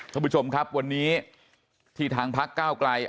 ท่านผู้ชมครับวันนี้ที่ทางพักก้าวไกล